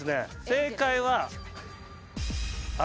正解は。